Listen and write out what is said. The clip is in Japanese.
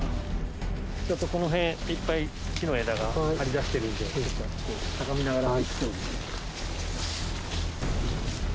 ・ちょっとこの辺いっぱい木の枝が張り出してるんでしゃがみながら。